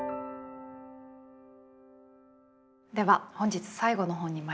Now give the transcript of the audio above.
では本日最後の本にまいりましょう。